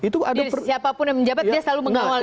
jadi siapapun yang menjabat dia selalu mengawal itu